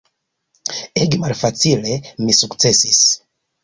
Ege malfacile mi sukcesis.